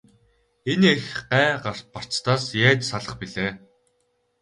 Энэ их гай барцдаас яаж салах билээ?